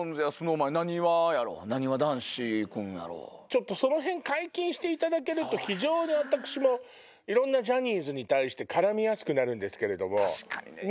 ちょっとそのへん解禁していただけると非常に私もいろんなジャニーズに対して絡みやすくなるんですけれども。